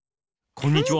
こんにちは！